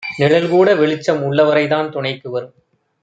நிழல் கூட வெளிச்சம் உள்ளவரைதான் துணைக்கு வரும்.